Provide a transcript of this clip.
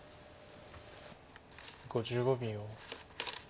５５秒。